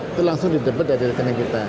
itu langsung didebut dari rekening kita